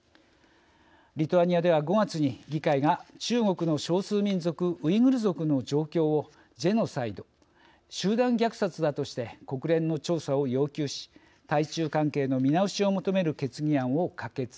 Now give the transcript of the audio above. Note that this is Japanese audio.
リトアニアでは、５月に議会が中国の少数民族ウイグル族の状況をジェノサイド集団虐殺だとして国連の調査を要求し対中関係の見直しを求める決議案を可決。